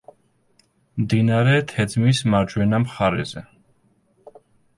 მდინარე თეძმის მარჯვენა მხარეზე.